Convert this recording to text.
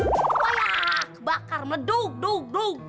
wah ya bakar meduk